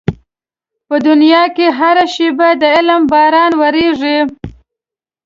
په دنيا کې هره شېبه د علم باران ورېږي.